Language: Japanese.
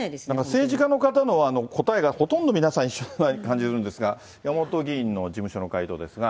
政治家の方の答えがほとんど皆さん一緒のように感じるんですが、山本議員の事務所の回答ですが。